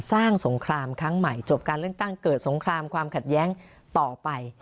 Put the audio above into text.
สงครามครั้งใหม่จบการเลือกตั้งเกิดสงครามความขัดแย้งต่อไป